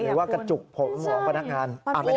หรือว่ากระจุกผมห่วงพนักงาน